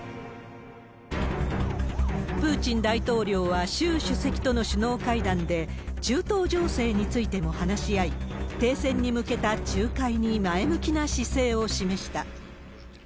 プーチン大統領は、習主席との首脳会談で、中東情勢についても話し合い、停戦に向けた仲介に前向きな姿勢を示した。